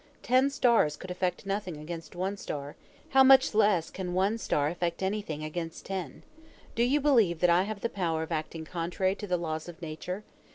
Ten stars could effect nothing against one star, how much less can one star effect anything against ten? Do you believe that I have the power of acting contrary to the laws of nature?